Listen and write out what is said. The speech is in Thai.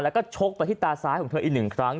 แล้วก็ชกไปที่ตาซ้ายของเธออีกหนึ่งครั้ง